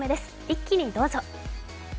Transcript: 一気にどうぞ。